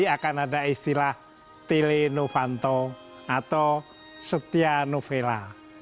nanti akan ada istilah tile novanto atau setia novela